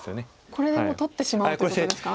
これでもう取ってしまおうということですか。